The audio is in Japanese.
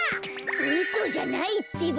うそじゃないってば。